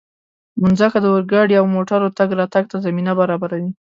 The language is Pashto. مځکه د اورګاډي او موټرو تګ راتګ ته زمینه برابروي.